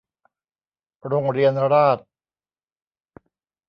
โรงเรียนราษฎร์